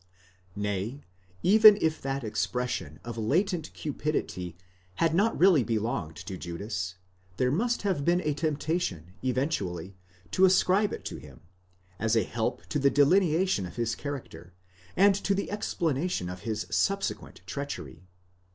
Nay, even if that expression of latent cupidity had not really belonged to Judas, there must have been a temptation eventually to ascribe it to him, as a help to the delineation of his character, and to the explanation of his sub sequent treachery.